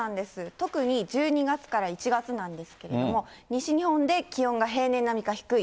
特に１２月から１月なんですけれども、西日本で気温が平年並みか低い。